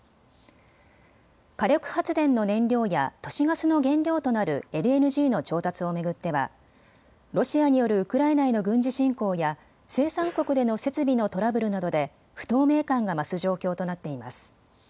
火力発電の燃料や都市ガスの原料となるＬＮＧの調達を巡ってはロシアによるウクライナへの軍事侵攻や生産国での設備のトラブルなどで不透明感が増す状況となっています。